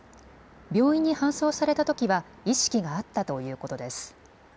病院に搬送されたときは意識があったということです。